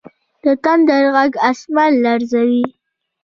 د تندر ږغ اسمان لړزوي.